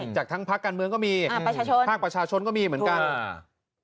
จากทั้งพระความการเมืองก็มีพระบรรชาชนก็มีเหมือนกัน